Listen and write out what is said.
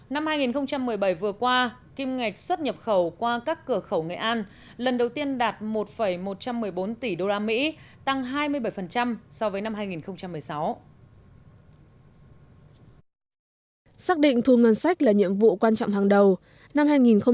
năm hai nghìn một mươi bảy vừa qua kim ngạch xuất nhập khẩu qua các cửa khẩu nghệ an lần đầu tiên đạt một một trăm một mươi bốn tỷ usd tăng hai mươi bảy so với năm hai nghìn một mươi sáu